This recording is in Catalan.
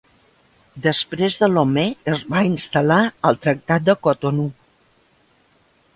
Després de Lomé, es va instal·lar el Tractat de Cotonou.